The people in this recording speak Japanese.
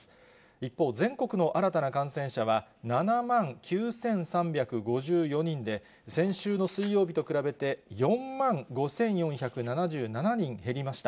一方、全国の新たな感染者は７万９３５４人で、先週の水曜日と比べて、４万５４７７人減りました。